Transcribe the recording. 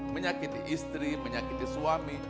menyakiti istri menyakiti suami